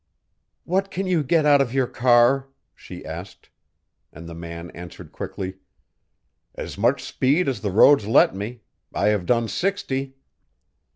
"What can you get out of your car?" she asked. And the man answered quickly, "As much speed as the roads let me I have done sixty."